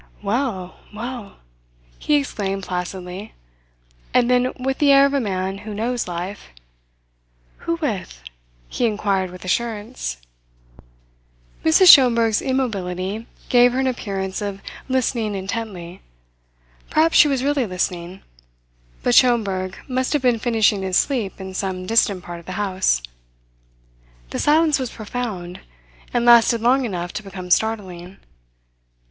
"Well! Well!" he exclaimed placidly; and then, with the air of a man who knows life: "Who with?" he inquired with assurance. Mrs. Schomberg's immobility gave her an appearance of listening intently. Perhaps she was really listening; but Schomberg must have been finishing his sleep in some distant part of the house. The silence was profound, and lasted long enough to become startling.